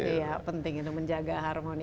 iya penting itu menjaga harmoni